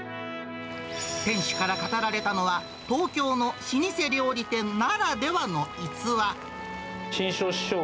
店主から語られたのは、東京の老舗料理店ならではの逸話。